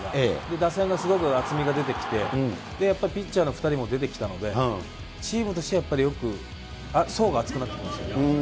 打線がすごく厚みが出てきて、やっぱりピッチャーの２人も出てきたので、チームとしてはやっぱりよく、層が厚くなってますよね。